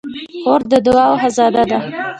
خور د دعاوو خزانه ده.